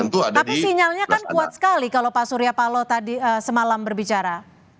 tapi sinyalnya kan kuat sekali kalau pak surya paloh tadi semalam berbicara